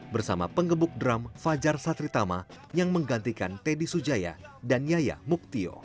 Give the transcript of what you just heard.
bersama pengebuk drum fajar satritama yang menggantikan teddy sujaya dan yaya muktio